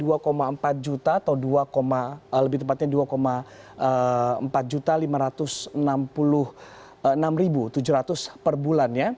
atau lebih tepatnya dua empat lima ratus enam puluh enam tujuh ratus per bulan